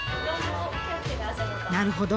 なるほど。